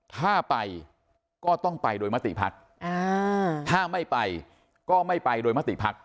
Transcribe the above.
ถ้าไปก็ต้องไปโดยมติภักดิ์ถ้าไม่ไปก็ไม่ไปโดยมติภักดิ